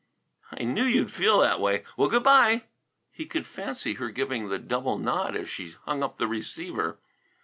"I knew you'd feel that way. Well, good bye!" He could fancy her giving the double nod as she hung up the receiver.